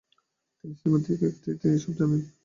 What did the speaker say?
কিন্তু শ্রীমতী কেতকী যদি– তিনি সব জানেন।